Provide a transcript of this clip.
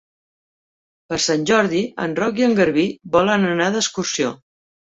Per Sant Jordi en Roc i en Garbí volen anar d'excursió.